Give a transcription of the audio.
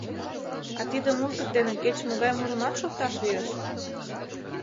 — А тиде музык дене кеч-могай мурымат шокташ лиеш?